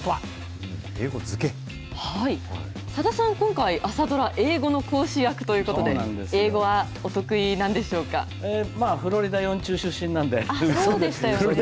さださん、今回、朝ドラ、英語の講師役ということで、英語はフロリダ四中出身なんで。